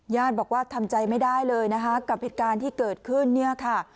ญาติบอกว่าทำใจไม่ได้เลยนะคะกับเหตุการณ์ที่เกิดขึ้นเนี่ยค่ะ